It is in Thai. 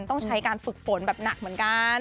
ต้องใช้การฝึกฝนแบบหนักเหมือนกัน